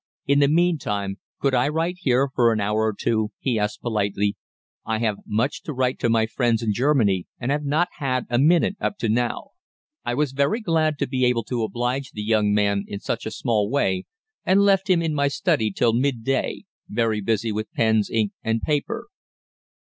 In the meantime, could I write here for an hour or two?' he asked politely. 'I have much to write to my friends in Germany, and have not had a minute up to now.' "I was very glad to be able to oblige the young man in such a small way, and left him in my study till midday, very busy with pens, ink, and paper.